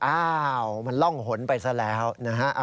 อ้าวมันร่องหนไปซะแล้วนะฮะ